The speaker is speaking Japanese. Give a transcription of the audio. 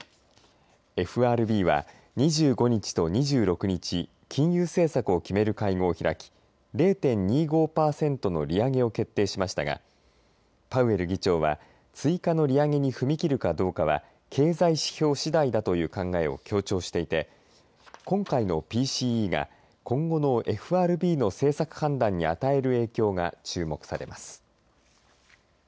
ＦＲＢは２５日と２６日金融政策を決める会合を開き０．２５パーセントの利上げを決定しましたがパウエル議長は追加の利上げに踏み切るかどうかは経済指標しだいだという考えを強調していて今回のＰＣＥが今後のＦＲＢの政策判断に与える影響が注目されます。